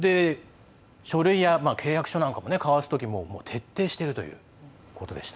書類や契約書なんか交わすときも徹底しているということでした。